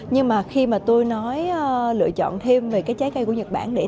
nhưng khi tôi nói lựa chọn thêm trái cây của nhật bản